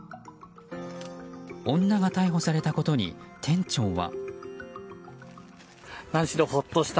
女が逮捕されたことに店長は。